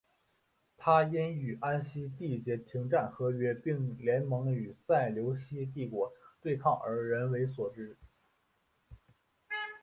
他因与安息缔结停战和约并联盟与塞琉西帝国对抗而为人所知。